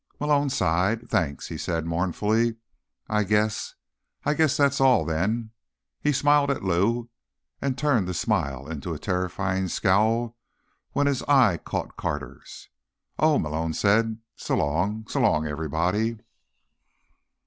Malone sighed. "Thanks," he said mournfully. "I guess—I guess that's all, then." He smiled at Lou, and turned the smile into a terrifying scowl when his eye caught Carter's. "Oh," Malone said. "So long. So long, everybody."